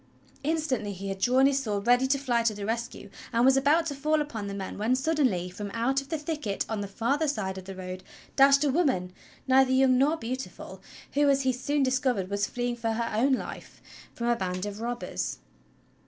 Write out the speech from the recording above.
Instantly he had drawn his sword ready to fly to the rescue, and was about to fall upon the men when suddenly, from out the thicket on the farther side of the road dashed a woman, neither young nor beautiful, who, as he soon discovered, was fleeing for her life from a band of robbers.